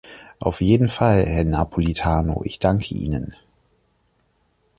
Auf jeden Fall, Herr Napolitano, ich danken Ihnen.